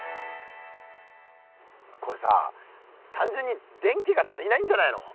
これさあたんじゅんに電気が足りないんじゃないの？